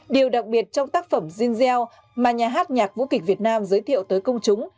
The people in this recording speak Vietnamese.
điều đặc biệt trong tác phẩm jean gell mà nhà hát nhạc vũ kịch việt nam giới thiệu tới công chúng